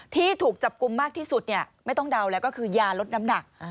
ที่ถูกจับกลุ่มมากที่สุดไม่ต้องเดาแล้วก็คือยาลดน้ำหนัก